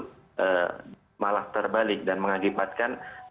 terus speedboat malah terbalik dan mengakibatkan